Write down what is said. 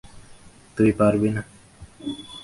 তুই পারবি না।